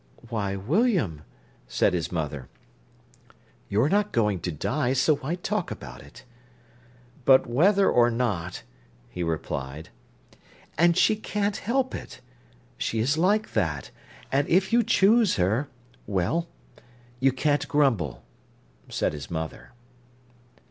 "Why, William," said his mother, "you're not going to die, so why talk about it?" "But whether or not—" he replied. "And she can't help it. She is like that, and if you choose her—well, you can't grumble," said his mother.